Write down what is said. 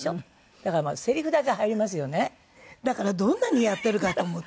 だからどんなにやってるかと思って。